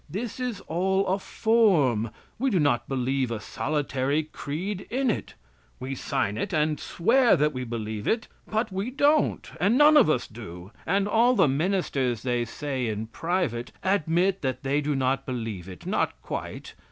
This is all a form, we do not believe a solitary creed in it. We sign it and swear that we believe it, but we don't. And none of us do. And all the ministers they say in private, admit that they do not believe it, not quite."